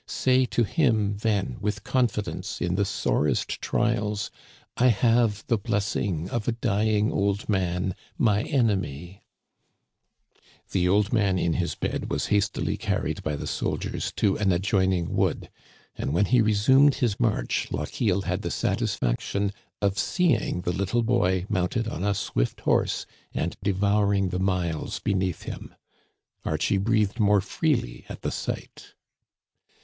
Say to him then with confidence in the sorest trials, ' I have the blessing of a dying old man, my ejiemy/ " The old man in his bed was hastily carried by the soldiers to an adjoining wood, and when he resumed his march Lochiel had the satisfaction of seeing the little boy mounted on a swift horse and devouring the miles beneath him. Archie breathed more freely at the sight.